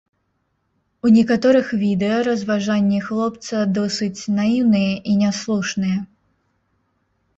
У некаторых відэа разважанні хлопца досыць наіўныя і не слушныя.